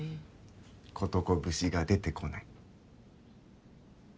琴子節が出てこない？